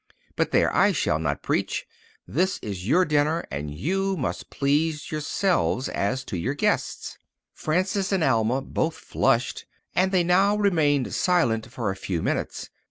But there, I shall not preach. This is your dinner, and you must please yourselves as to your guests." Frances and Alma had both flushed, and they now remained silent for a few minutes.